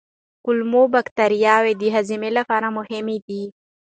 کولمو بکتریاوې د هضم لپاره مهمې دي.